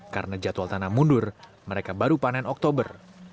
karena jadwal tanam mundur mereka baru panen oktober